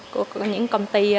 của những công ty